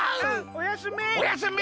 おやすみ！